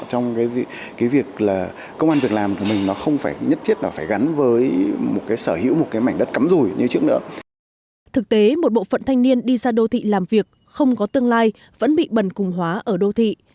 thực tế một bộ phận thanh niên đi ra đô thị làm việc không có tương lai vẫn bị bần cùng hóa ở đô thị